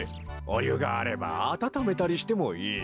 おゆがあればあたためたりしてもいい。